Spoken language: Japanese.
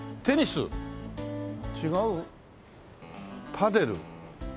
「パデル」